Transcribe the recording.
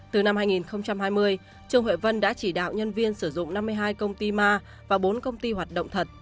từ năm hai nghìn hai mươi trương huệ vân đã chỉ đạo nhân viên sử dụng năm mươi hai công ty ma và bốn công ty hoạt động thật